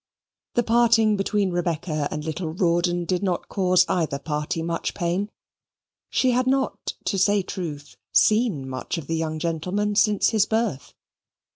The parting between Rebecca and the little Rawdon did not cause either party much pain. She had not, to say truth, seen much of the young gentleman since his birth.